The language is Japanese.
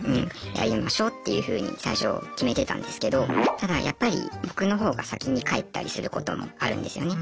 やりましょうっていうふうに最初決めてたんですけどただやっぱり僕の方が先に帰ったりすることもあるんですよね。